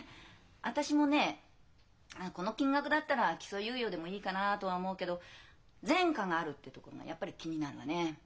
私もねこの金額だったら起訴猶予でもいいかなとは思うけど前科があるってとこがやっぱり気になるわねえ。